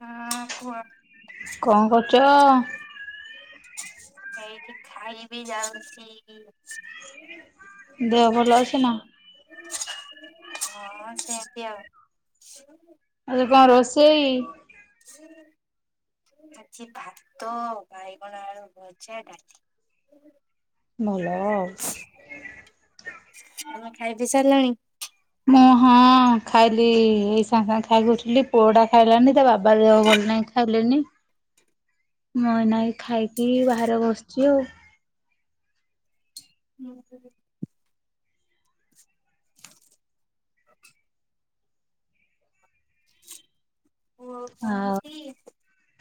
ହଁ କୁହ। କଣ୍ କରୁଚ? ସେଇଠି ଖାଇ ବିି ଯାଉଚି। ଦେହ ଭଲ ଅଛି ନା? ହଁ ସେମିତି ଆଉ। ଆଜି କଣ ରୋଷେଇ? ଆଜିି ଭାତ ବାଇଗଣ ଆଳୁ ଭ ଜା ଡାଲି। ଭଲ ଆଉ। ତମେ ଖାଇ ପି ସାରିଲଣି? ମୁଁ- ହଁ ଖାଇଲି ଏଇ ସାଙ୍ଗେ ସାଙ୍ଗେ ଖାଇକି ଉଠିଲି। ପୁଅଟା ଖାଇଲାନି ତା ବାବା ଦେହ ଭଲ ନାହିଁ ଖାଇଲେନି ମୁଁ ଏଇନାକେ ଏଇ ଖାଇକି ବାହାରେ ବସିଚି ଆଉ। ହୁଁ। ହଁ-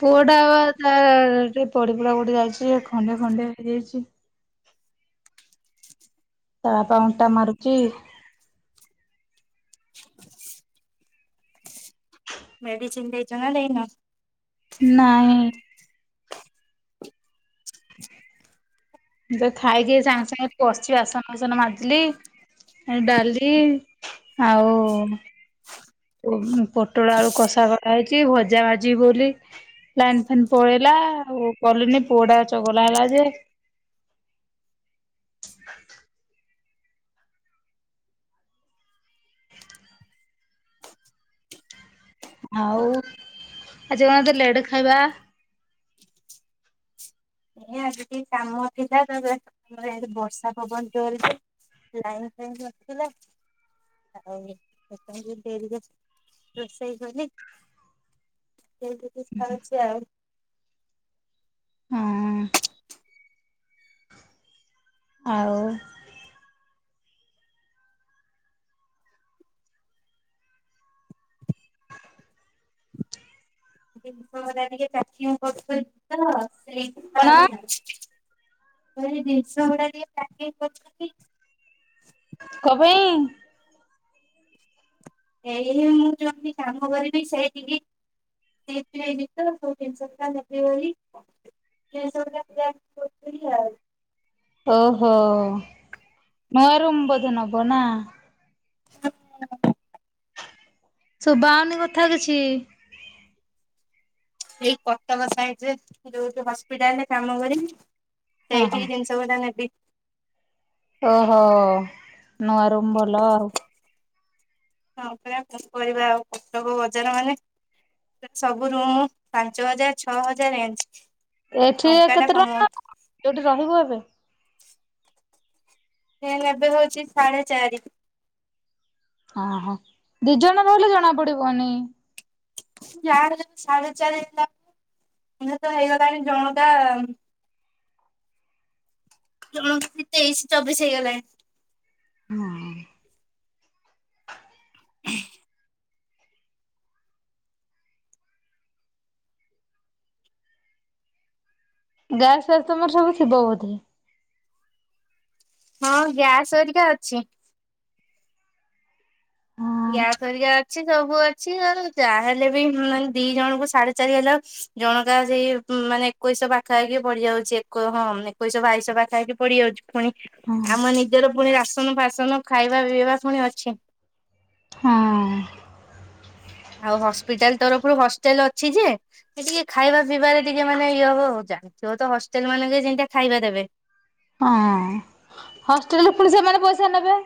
ପୁଅଟା ପା ତା ଯଉ ପଡିପୁଡା କଉଠେ ଯାଇଚି ଯେ ଖଣ୍ଡିଆ ଖଣ୍ଡିଆ ହେଇଯାଇଚି। ତା ବାପା ଅଣ୍ଟା ମାରୁଚି। ମେଡିସିନ୍ ଦେଇଚ ନା ଦେଇନ? ନାଇଁ। ମୁଁ ତ ଖାଇକି ସାଙ୍ଗେ ସାଙ୍ଗେ ବସିଚି ବାସନ ଫାସନ ମାଜିଲି ଏ ଡାଲି ଆଉ ପୋଟଳ ଆଳୁ କଷା କରା ଯାଇଚି ଭଜା ଭାଜିବି ବୋଲି ଲାଇନ୍ ଫାଇନ୍ ପଳେଇଲା ଆଉ କଲିନି ପୁଅଟା ଚଗଲା ହେଲା ଯେ ଆଉ ଆଜି କଣ ଏତେ ଲେଟ୍ ଖାଇବା? ଏଇ ଆଜି ଟିକେ କାମ ଥିଲା ତାପରେ ବର୍ଷା ପବନ ଜୋର୍ ଯେ ଲାଇନ୍ ଫାଇନ୍ ନଥିଲା। ଆଉ ସେଇଥିପାଇଁ ଟିକେ ଡେରିରେ ରୋଷେଇ କଲି। ଏମତି [unintelligible] ଖାଉଚି ଆଉ। ହଁ। ଆଉ। ଜିନିଷ ଗୁରା ଟିକେ ପ୍ୟାକିଙ୍ଗ୍ କରୁଥିଲି ତ କଣ ସେଇଥିପାଇଁ ଆଉ। ମୁଁ କହିଲି ଜିନିଷ ଗୁଡା ଟିକେ ପ୍ୟାକିଙ୍ଗ୍ କରଥିଲି। କ ପାଇଁ? ଏଇ ମୁଁ ଯଉଠି କାମ କରିବି ସେଇଠିକି ଯିବି ହାରି [unintelligible] ସବୁ ଜିନିଷ ରା ନେବି ବୋଲି [unintelligible] ଓହୋ ନୂଆ ରୁମ୍ ବୋଧେ ନବ ନା? ହ ଶୁଭା‌ ହଉନି କଥା କିଛି, ସେଇ କଟକ ସାଇଟ ରେ ଯେ ଯୋଉ ହସ୍ପିଟାଲରେ କାମ କରିମି ହଁ ହଁ ସେଇଠି କି ଜିନିଷ। ଡ଼ା ନ ଓହୋ ନୂଆ ରୁମ୍ ଭଲ ଆଉ। ହଁ ପରା, କଣ କରିବା ଆଉ କଟକ ବଜାର ମାନେ। ସବୁ ରୁମ ପାଞ୍ଚ ହଜାର ଛଅ ହଜାର ରେଞ୍ଜ। ଏଠି ଟଙ୍କା ଟା କେତେ ଟଙ୍କା କମଉନି। ନବ ଯୋଉଠି ରହିବୁ ଏବେ? ଏନ ନେବେ ହଉଛି ସାଢେ଼ ଚାରି। ଓ ହୋ ଦି ଜଣ ରହିଲେ ଜଣା ପଡି଼ବନି। ଯାହା ହେଲେ ସାଢେ଼ ଚାରି ଦିନ ତ ହେଇଗଲାଣି ଜଣକା- ଜଣକା ତେଇଶି ଚବିଶ ହେଇଗଲାଣି। ହଁ ହୁଁ ଗ୍ୟାସ ଫ୍ୟାସ ତମର ସବୁ ଥିବ ବୋଧେ? ହଁ ଗ୍ୟାସ ଅରିକା ଅଛି। ହଁ ଗ୍ୟାସ ହରିକା ଅଛି ସବୁ ଅଛି ଆଉ ଯାହା ହେଲେ ବି ମାନେ ଦି ଜଣଙ୍କୁ ସାଢେ଼ ଚାରି ହେଲା ଜଣକା ସେଇ ମାନେ ଏକୋଇଶ ପାଖାପାଖି ପଡି଼ଯାଉଛି ହଁ ଏକୋଇଶ ବାଇଶ ପାଖାପାଖି ପଡିି଼ଯାଉଛି। ପୁଣି ହଁ ଆମ ନିଜର ପୁଣି ରାସନ ଫାସନ ଖାଇବା ପିଇବା ପୁଣି ଅଛି। ହଁ। ଆଉ ହସ୍ପିଟାଲ ତରଫରୁ ହଷ୍ଟେଲ ଅଛି ଯେ, ଟିକେ ଖାଇବା ପିଇବାରେ ଟିକେ ମାନେ ଇଏ ହବ, ଜାଣିଥିବ ତ ହଷ୍ଟେଲ ମାନେ ଯେମିତି ଖାଇବା ଦେବେ? ହଁ ହଷ୍ଟେଲରେ ପୁଣି ସେମାନେ ପଇସା ନେବେ।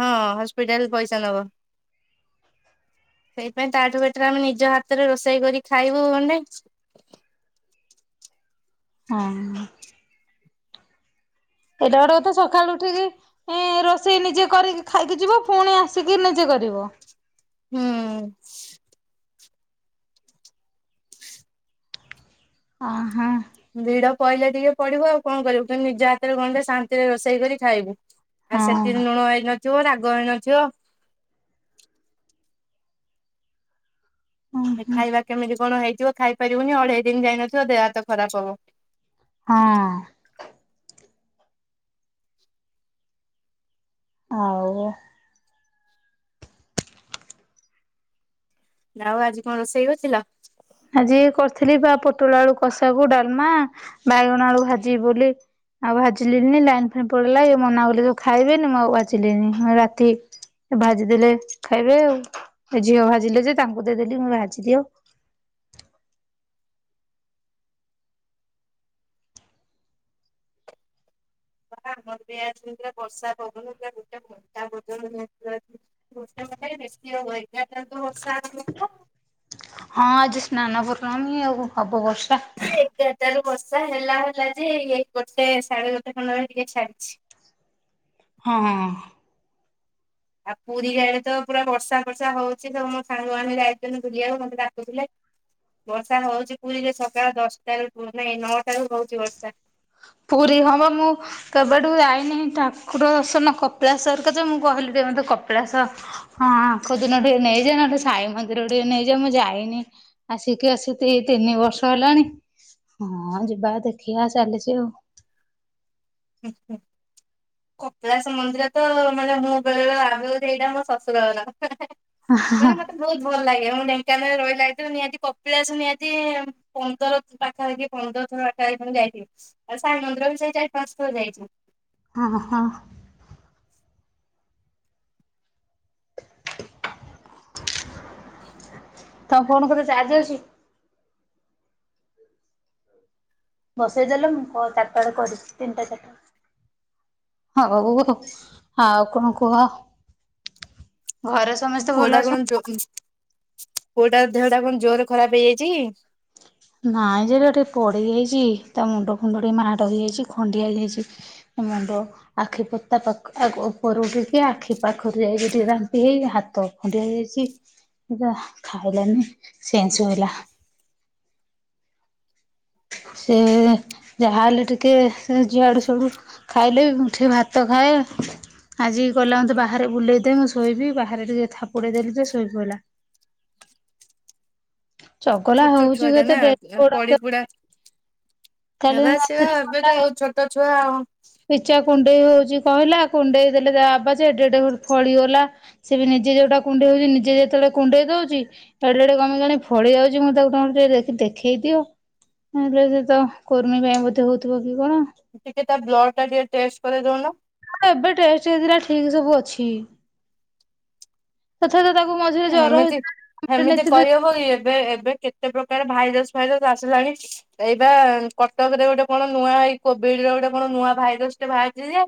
ହଁ ହସ୍ପିଟାଲ ପଇସା ନବ। ସେଇପାଇ ତାଠୁ ବେଟର‌‌ ଆମେ ନିଜ ହାତରେ ରୋଷେଇ କରି ଖାଇବୁ‌ ଗଣ୍ଡେ। ହଁ-। ଏଇଟା‌‌ ଗୋଟେ କଥା ସକାଳୁ ଉଠିକି, ଏ ରୋଷେଇ ନିଜେ କରିକି ଖାଇକି ଯିବ, ପୁଣି ଆସିକି ନିଜେ କରିବ। ହୁଁ। ଆହା। ଭିଡ଼ ପହିଲେ ଟିକେ ପଡି଼ବ ଆଉ କଣ କରିବୁ କିନ୍ତୁ ନିଜ ହାତରେ ଗଣ୍ଡେ ଶାନ୍ତିରେ ରୋଷେଇ କରି ଖାଇବୁ। ଆଉ ସେଥିରେ ହଁ ଲୁଣ ହେଇନଥିବ, ରାଗ ହେଇନଥିବ। ହଁ ଖାଇବା କେମିତି କଣ ହେଇଥିବ ଖାଇପାରିବୁନି ଅଢେ଼ଇ ଦିନ ଯାଇନଥିବ ଦେହ, ହାତ ଖରାପ ହବ। ହଁ। ଆଉ? ଆଉ ଆଜି କଣ ରୋଷେଇ କରିଥିଲା? ଆଜି କରିଥିଲି ବା ପୋଟଳ ଆଳୁ କଷା, କୁ ଡାଲମା ବାଇଗଣ ଆଳୁ ଭାଜିିବି ବୋଲି, ଆଉ ଭାଜିଲିନି ଲାଇନ ଫାଇନ୍‌ ପଳେଇଲା ଇଏ‌ ମନା କଲେ ସବୁ ଖାଇବେନି ମୁଁ ଆଉ ଭାଜିଲିନି ରାତି ଭାଜିଦେଲେ ଖାଇବେ ଆଉ ଏ ଝିଅ ଭାଜିଲେ ଯେ ତାଙ୍କୁ ଦେଇଦେଲି ମୁଁ ଭାଜି ଦିଅ। ବା ଆମର ବି ଆ ପୁରା ବର୍ଷା ପବନ ପୁରା ଗୋଟେ ଘଣ୍ଟା ପର୍ଯ୍ୟନ୍ତ ନିହାତି - ମସମ ଖ ବେଶି ହବ ଏଗାର ଟାରୁ ବର୍ଷା ଆରମ୍ଭ ହବ। ହଁ ଆଜି ସ୍ନାନ ପୂର୍ଣ୍ଣମୀ ଆଉ ହବ ବର୍ଷା। ଏଗାରଟାରୁ ବର୍ଷା ହେଲା ହେଲା ଯେ ଏ ଗୋଟେ ସାଢ଼େ ଗୋଟେ ଖଣ୍ଡରେ ଟିକେ ଛାଡିଛି। ହଁ ହଁ ହଁ ଆଉ ପୁରୀ ଆଡ଼େ ତ ପୁରା ବର୍ଷା ଫର୍ଷା ହଉଚି ତ ମୋ ସାଙ୍ଗମାନେ ଯାଇଛନ୍ତି ବୁଲିଆକୁ ମତେ ଡାକୁୁଥିଲେ। ବର୍ଷା ହଉଚି ପୁରୀରେ ସକାଳ ଦଶଟାରୁ ପୁ ନାଇଁ ନଅଟାରୁ ହଉଚି ବର୍ଷା। ପୁରୀ ହଁ ବା ମୁଁ କେବେଠୁ ଯାଇନି ଠାକୁର ଦର୍ଶନ କପିଳାସ ହେରିକା ଯେ ମୁଁ କହିଲି ମତେ ଟିକେ କପିଳାସ ହଁ ଖୋଦିନ ଟିକେ ନେଇଯା ନହେଲେ ସାଇ ମନ୍ଦିର ଟିକେ ନେଇଯା ମୁଁ ଯାଇନି। ଆସିକି ଆସି ତି ତିନି ବର୍ଷ ହେଲାଣି ହଁ ଯିବା ଦେଖିଆ ଚାଲିଚି ଆଉ। ହୁ ହୁଁ। କପିଳାସ ମନ୍ଦିର ତ ମାନେ ମୁଁ ବେଳେବେଳେ ଭାବେ ବୋଧେ ଏଇଟା ମୋ ଶଶୁର ଘର। [unintelligible] ହଁ। ବହୁତ୍ ଭଲ୍ ଲାଗେ ମୁଁ ଢେଙ୍କାନାଳେ ରହିଲା ଭିତରେ ନିହାତି କପିଳାସ ନିହାତି ପନ୍ଦର ପାଖାପାଖି ପନ୍ଦର ଥର ପାଖାପାଖି ଖଣ୍ଡେ ଯାଇଚି। ଆଉ ସାଇ ମନ୍ଦିର ବି ସେଇ ଚାରି ପାଞ୍ଚ ଥର ଯାଇଚି। ହଁ-ହଁ [inaudible] [inaudible] ତୋ ଫୋନ୍ [unintelligible] ଚାର୍ଜ ଅଛି? ବସେଇ ଦେଲେ ମୁଁ କ ଚାରିଟା ବେଳେ କରିବି ତିନିଟା ଚାରଟା। ହଉ ଆଉ କଁ କୁହ। ଘରେ ସମସ୍ତେ ଭଲ ଅଛ [unintelligible] ପୁଅଟା ଦେହଟା କଣ୍ ଜୋରେ ଖରାପ ହେଇଯାଇଚି? ନାଇଁ ଯେ ଏଟା ଟିକେ ପଡ଼ିଯାଇଚି ତା ମୁଣ୍ଡ ଫୁଣ୍ଡ ଟିକେ ମାଡ ହେଇଯାଇଚି ଖଣ୍ଡିଆ ହେଇଯାଇଚି। ମୁଣ୍ଡ ଆଖି ପତା [unintelligible] ଉପର [unintelligible] ଟିକେ ଆଖି ପାଖରୁ ଯାଇକି ରାମ୍ପି ହେଇ ହାତ ଖଣ୍ଡିଆ ହେଇଯାଇଚି ଯା ଖାଇଲାନି ସେଁ ଶୋଇଲା। ସେ ଯାହା ହେଲେ ଟିକେ ସେ ଯିଆଡୁ [unintelligible] ଆଡୁ ଖାଇଲେ ମୁଠେ ଭାତ ଖାଏ। ଆଜି କଇଲା ମୋତେ ବାହାରେ ବୁଲେଦେ ମୁଁ ଶୋଇବି ବାହାରେ ଟିକେ ଥାପୁଡ଼େଇ ଦେଲି ଯେ ଶୋଇପଇଲା। ଚଗଲା ଛୋଛ ହଉଛି ଛୁଆ ଟା କେତେ ନା ଡେଲି ଆଁ ଗୋଡ ହାତ ପଡି ପୁଡା କାଲି ହେବେ ସେ ରାତିରେ ହେବେ। ଗଲା [unintelligible] ଛୋଟ ଛୁଆ ଆଉ। ପିଚା କୁଣ୍ଡେଇ ହଉଚି କହିଲା କୁଣ୍ଡେଇ ଦେଲେ ତା ବାବା ଯେ ଏଡେ ଏଡେ ଫଳିଗଲା। ସେ ବି ନିଜେ ଯୋଉଟା କୁଣ୍ଡେଇ ହଉଚି ନିଜେ ଯେତେବେଳେ କୁଣ୍ଡେଇ ଦଉଚି ରେଡ୍ ରେଡ୍ କଁ [unintelligible] ଫଳି ଯାଉଚି ମୁଁ ତାକୁ ତମର ଟିକେ [unintelligible] ଦେଖେଇ ଦିଅ। ନହେଲେ ସେ ତ କୁର୍ମି ପାଇଁ ବୋଧେ ହଉଥିବ କି କଣ? ଟିକେ ତା ବ୍ଲଡ୍ ଟା ଟିକେ ଟେଷ୍ଟ କରେଇ ଦଉନ। ତାର ଏବେ ଟେଷ୍ଟ ହେଇଥିଲା ଠିକି ସବୁ ଅଛି। [unintelligible] ତାକୁ ମଝି ସେମିତି ସେମିତି କହି ହବ କି ଏବେ ଏବେ କେତେ ପ୍ରକାର ଭାଇରସ୍ ଫାଇରସ୍ ଆସିଲାଣି। ଏଇବା କଟକରେ ଗୋଟେ କଣ ନୂଆ ଏଇ କୋଭିଡ୍ ର ଗୋଟେ କଣ ନୂଆ ଭାଇରସ୍ ଟେ ବାହାରିଚି ଯେ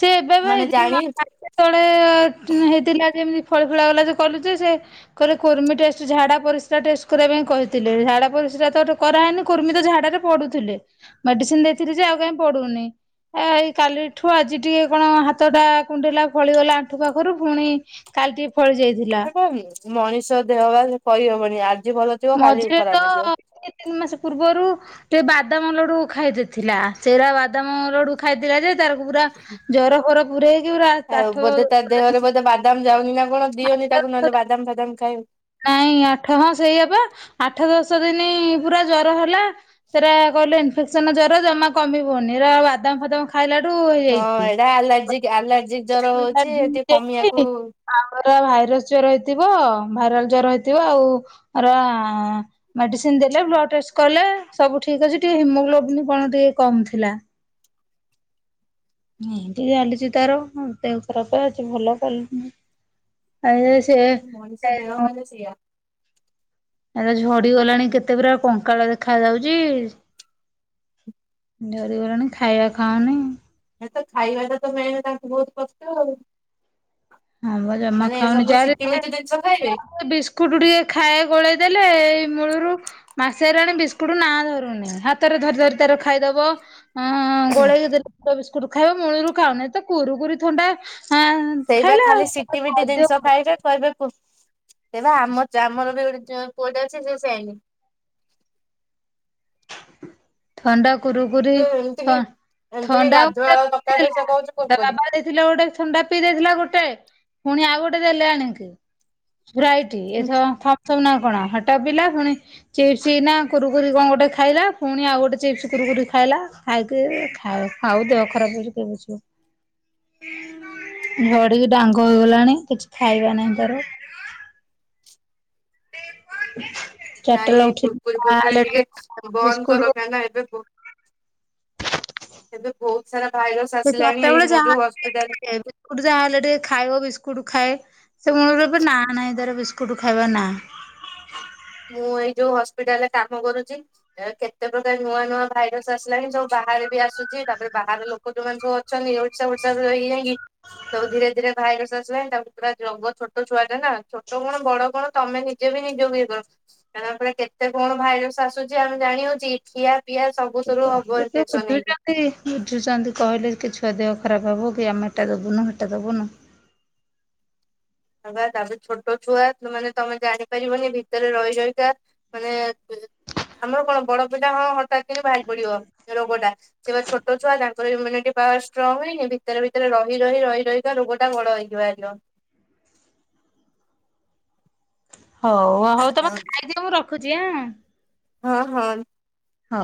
ସେ ଏବେ ବା ଏ ମାନେ ଦି ମା ଜାଣି ମାସେ ତଳେ [unintelligible] ହେଇଥିଲା ଯେମିତି ଫଳି ଫୁଳା ଗଲା ଯେ କଇଲୁ ଯେ ସେ କହିଲେ କୁର୍ମୀ ଟେଷ୍ଟ ଝାଡା ପରିସ୍ରା ଟେଷ୍ଟ କରିବା ପାଇଁ କହିଥିଲେ ଝାଡା ପରିସ୍ରା ତ କରା ହେଇନି କୁର୍ମୀ ତ ଝାଡାରେ ପୁଡୁଥିଲେ ମେଡ଼ିସିନ୍ ଦେଇଥିଲି ଯେ ଆଉ କାଇଁ ପଡୁନି ଆ ଏଇ କାଲିଠୁ ଆଜି ଟିକେ କଣ ହାତ ଟା କୁଣ୍ଡେଇଲା ଫଳିଗଲା ଆଣ୍ଠୁ ପାଖରୁ ଫୁଣି କାଲି ଟିକେ ଫଳି ଯାଇଥିଲା। ଉଁମ୍ ମଣିଷ ଦେହ ବା ସେ କହି ହବନି ଆଜି ଭଲ ଥିବ କାଲି ମଝିରେ ତ ଖରାପ ହେଇଯିବ। ଦୁଇ ତିନ୍ ମାସ ପୂର୍ବରୁ ଟେ ବାଦାମ ଲଡୁ ଖାଇ ଦେଇଥିଲା ସେରା ବାଦାମ ଲଡୁ ଖାଇଥିଲା ଯେ ତାରକୁ ପୁରା, ଜର ଫର ପୁରେହେଇକି ପୁରା ଆଉ ପାଠ ବୋଧେ ତା ଦେହରେ ବୋଧେ ବାଦାମ ଯାଉନି ନା କଣ, ଦିଅନି ତାକୁ ନହେଲେ ବାଦାମ ଫାଦାମ ଖାଇ ନାଇଁ ଆଠ ହଁ ସେଇବା, ଆଠ ଦଶ ଦିନ ପୁରା ଜ୍ୱର ହେଲା। ସେଇଟା କହିଲେ ଇନଫେକ୍ସନ ଜର ଜମା କମିବନି। ର ବାଦାମ ଫାଦାମ ଖାଇଲା ଠୁ ହଁ ହେଇଯାଇଛି। ଏଇଟା ଆଲାର୍ଜିକ ଆଲାର୍ଜିକ ଜର ହଉଛି ଟିକେ କମିବାକୁ [unintelligible] ପରା ଭାଇରସ ଜର ହେଇଥିବ, ଭାଇରାଲ ଜର ହେଇଥିବ, ଆଉ ପରା ମେଡିସିନ ଦେଲେ ବ୍ଲଡ ଟେଷ୍ଟ କଲେ, ସବୁ ଠିକ୍ ଅଛି। ଟିକେ ହିମୋଗ୍ଲୋବନ୍ କଣ ଟିକେ କମ୍ ଥିଲା। ଏମିତି ଚାଲିଛି ତାର, ଦେହ ଖରପ ଆଜି ଭଲ କାଲି କି ନାଇ। ଆ ସେ ମଣିଷ [unintelligible] ସେଇଆ। ଆରେ ଝଡିଗଲାଣି କେତେ ପୁରା, କଙ୍କାଳ ଦେଖା ଯାଉଛି। ଝଡିଗଲାଣି, ଖାଇବା ଖାଉନି। ଏ ତ ଖାଇବାଟା ତ ମେନ୍ ତାଙ୍କୁ ବହୁତ କଷ୍ଟ ଆଉ। ଆମର ଜମା ମାନେ ଖାଉନି, ସବୁ ସିଟି ମିଟି ଜିନିଷ ଖାଇବେ। [unintelligible] ସ୍କୁଟୁ ଟିକେ ଖାଏ ଗୋଳେଇ ଦେଲେ, ଏଇ ମୂଳୁରୁ ମାସେରେ ଆଣି ବିସ୍କୁଟ ନା ଧରୁନି। ହାତରେ ଧରି ଧରି ତାର ଖାଇଦବ ହଁ ଗୋଳେଇ ଦେଲେ କଉ ବିସ୍କୁଟ ଖାଇବ, ମୂଳରୁ ଖାଉନି ତ କୁରୁ କୁରି ଥଣ୍ଡା ଆଁ ସେଇ ବା ଖାଲି ସିଟି ମିିଟି ଜିନିଷ ଖାଇବେ। କହିବେ କୁ ହେଇବା ଆମ ଯା-ଆମର ବି ଗୋଟେ ପୁଅଟେ ଅଛି, ସେ ସେଇନି। ଥଣ୍ଡା କୁରୁ କୁରି, ସେ ଏମିତି କି ଏମିତି କି ଥ-ଥଣ୍ଡା ଗାଧୁଆଳ [unintelligible] ଥିଲେ ଦରକାର ସେ କହୁଛି କୁରକୁରି ଗୋଟେ ଥଣ୍ଡା ପିଇ ଦେଇଥିଲା ଗୋଟେ, ପୁଣି ଆଉ ଗୋଟେ ଦେଲେ ଆଣିକି। ଷ୍ପା୍ଇଟି ଏ ଥ-ଥମ ସପ ନା କଣ? ହେଟା ପିଲା ପୁଣି ଚିପସ ନା କୁରୁ କୁରେ କଣ ଗୋଟେ ଖାଇଲା, ପୁଣି ଆଉ ଗୋଟେ ଚିପ୍ସ କୁରୁ କୁରି ଖାଇଲା। ଖାଇକି ଖା-ଖାଉ ଦେହ ଖରାପ ହଉଛି କିଏ ବୁଝିବ। ଝଡିକି ଡାଙ୍ଗ ହେଇଗଲାଣି। କିଛି ଖାଇବା ନାହିଁ ତାର। ନାଇଁ ଚାରିଟାବେଳେ ଏଇ ଉଠିକି କୁରକୁରି [unintelligible] ବିସ୍କୁଟ। ନା ନା ଏବେ ବ ଏବେ ବହୁତ ସାରା ଭାଇରସ ଆସିଲାଣି। ଏଇ ମୁଁ ଯୋଉ ହସ୍ପିଟାଲରେ ଗୋଟେ ଯାହାହଲେ ଟିକେ ଖାଇବ ବିସ୍କୁଟ ଖାଏ। ସେ ମୁଳରୁ ଏବେ ନା ନାଇଁ ତାର ବିସ୍କୁଟ ଖାଇବା ନା। ମୁଁ ଏଇ ଯୋଉ ହସ୍ପିଟାଲରେ କାମ କରୁଛି କେତେ ପ୍ରକାର ନୂଆ ନୂଆ ଭାଇରସ ଆସିଲାଣି। ସବୁ ବାହାରେ ବି ଆସୁଛି। ତାପରେ ବାହାର ଲୋକ ଯଉମାନେ ସବୁ ଅଛନ୍ତି, ଓଡିଶା ଫୋଡିଶା ଧରିକି ଯାଇକି। ସବୁ ଧୀରେ ଧୀରେ ଭାଇରସ ଆସିଲାଣି। ତାକୁ ପୁରା ଜଗ ଛୋଟ ଛୁଆଟେ ନା, ଛୋଟ କଣ ବଡ କଣ ତମେ ନି ନିଜ ବି ନିଜକୁଏ କର। ତାପରେ କେତେ କଣ ଭାଇରସ ଆସୁଛି, ଆମେ ଜାଣି ହଉଚି କି? ଖିଆ ପିଆ ସବୁ [unintelligible] କହିଲେ ଉଭର କିଏ ଫେସନ୍ ହେଇକି। ବୁଝୁଛନ୍ତି ବୁଝୁଛନ୍ତି କହିଲେ କି ଛୁଆ ଦେହ ଖରାପ ହବ କି, ଆମେ ଏଟା ଦବୁନୁ ହେଟା ଦବୁନୁ। ବା, ତାପରେ ଛୋଟ ଛୁଆ, ତ ମାନେ ତମେ ଜାଣିପାରିବନି ଭିତରେ ରହି ରହିକା ମାନେ ଆମର କଣ ବଡ ପିଲା, ହଁ ହଠାତ୍ କିନ୍ତୁ ବାହାରି ପଡିବ, ରୋଗ ଟା। ସେ ପା ଛୋଟ ଛୁଆ, ତାଙ୍କର ଇମ୍ୟୁନିଟି ପାୱାର ଷ୍ଟ୍ରଙ୍ଗ ହେଇନି ଭିତରେ ଭିତରେ ରହି ରହି ରହି ରହି ରୋଗ ଟା ବଡ ହେଇକି ବାହାରିବ। ହଉ, ହଉ ତମେ ଖାଇଦିଅ ମୁଁ ରଖୁଛି ଆଁ। ହଁ ହଁ। ହ।